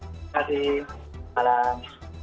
terima kasih selamat malam